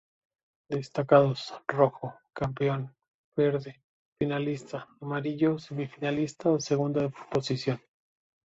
Destacados: rojo: campeón; verde: finalista; amarillo semifinalista o segunda posición.